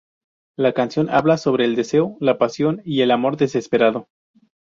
La canción habla sobre el deseo, la pasión y el amor desesperado.